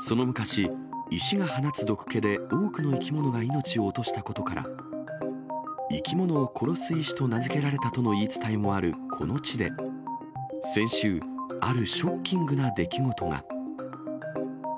その昔、石が放つ毒気で多くの生き物が命を落としたことから、生き物を殺す石と名付けられたとの言い伝えもある、この地で、先週、あるショッキングな出来事が。